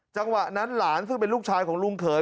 จังหวะนั้นหลานซึ่งเป็นลูกชายของลุงเขย